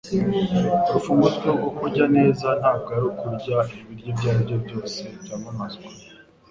Urufunguzo rwo kurya neza ntabwo ari ukurya ibiryo ibyo aribyo byose byamamazwa